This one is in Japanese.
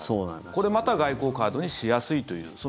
これまた外交カードにしやすいという。